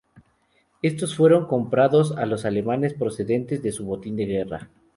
Estos fueron comprados a los alemanes procedentes de su botín de guerra.